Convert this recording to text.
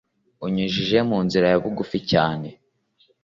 anyujije mu nzira yabugufi cyane